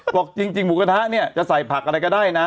บอกจริงหมูกระทะเนี่ยจะใส่ผักอะไรก็ได้นะ